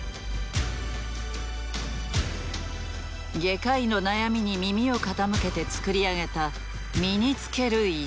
外科医の悩みに耳を傾けて作り上げた身につける椅子。